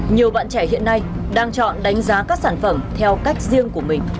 nhiều bạn trẻ hiện nay đang chọn đánh giá các sản phẩm theo cách riêng của mình